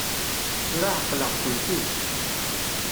Tura εeqleɣ-kent-id.